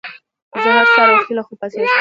زه هر سهار وختي له خوبه پاڅېږم